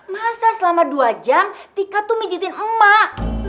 masa selama dua jam tika tuh mijitin emak